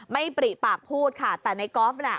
ปริปากพูดค่ะแต่ในกอล์ฟน่ะ